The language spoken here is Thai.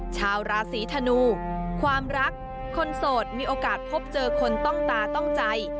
ชาวราศีธนูความรักคนโสดมีโอกาสพบเจอคนต้องตาต้องใจ